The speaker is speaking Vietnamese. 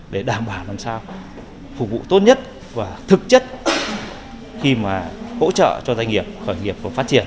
để đảm bảo làm sao phục vụ tốt nhất và thực chất khi mà hỗ trợ cho doanh nghiệp khởi nghiệp và phát triển